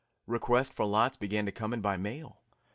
Requests for lots began to come in by mail.